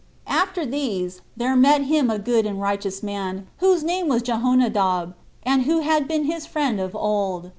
6. After these, there met him a good and a righteous man, whose name was Jehonadab, and who had been his friend of old.